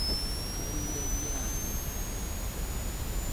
Kalinda ye ani?